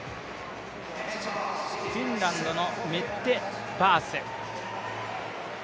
フィンランドのメッテ・バース。